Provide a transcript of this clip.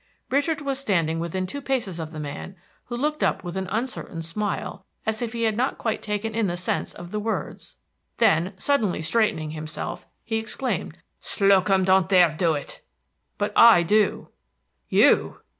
Richard was standing within two paces of the man, who looked up with an uncertain smile, as if he had not quite taken in the sense of the words. Then, suddenly straightening himself, he exclaimed, "Slocum don't dare do it!" "But I do." "You!"